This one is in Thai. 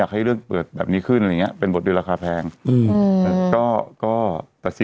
คือคือคือคือคือบอลด้วยที่พาเห็นร้องไห้เพราะมันต่อยอดใน